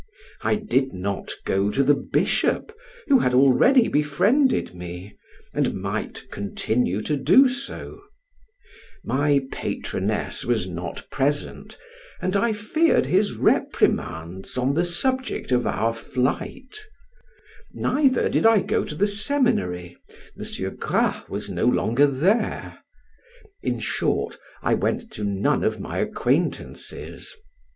I did not go to the bishop, who had already befriended me, and might continue to do so; my patroness was not present, and I feared his reprimands on the subject of our flight; neither did I go to the seminary, M. Graswas no longer there; in short, I went to none of my acquaintances.